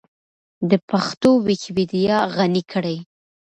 د پښتو ويکيپېډيا غني کړئ.